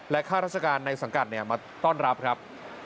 ข้าราชการในสังกัดมาต้อนรับครับ